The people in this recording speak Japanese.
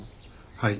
はい。